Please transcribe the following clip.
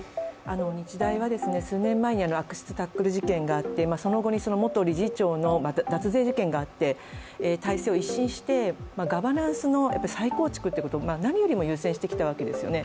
日大は数年前に悪質タックル事件があって、その後に元理事長の脱税事件があって体制を一新してガバナンスの再構築ということを何よりも優先してきたわけですよね。